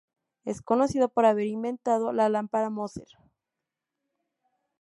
Es conocido por haber inventado la Lámpara Moser.